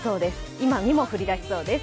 今にも降り出しそうです。